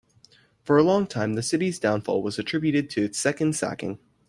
For a long time, the city's downfall was attributed to its second sacking.